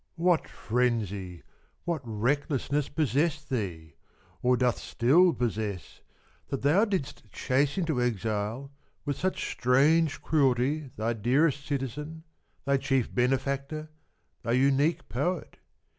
What frenzy, what recklessness possessed thee — or doth still possess — that thou didst chase intoexile, with such strange cruelty, thy dearest citizen, thy chief benefactor, thy unique poet